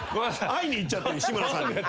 会いに行っちゃった志村さんに。